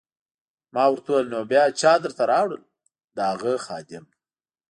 ما ورته وویل: نو بیا چا درته راوړل؟ د هغه خادم.